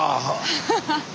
ハハハッ。